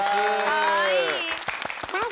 ・かわいい！